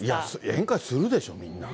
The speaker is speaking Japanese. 宴会するでしょ、みんな。